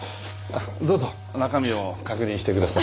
どうぞ中身を確認してください。